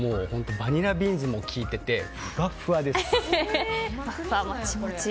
バニラビーンズも効いていてふわふわです。